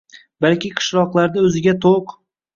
balki qishloqlarda o‘ziga to‘q